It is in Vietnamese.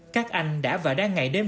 các anh đã và đang ngày đêm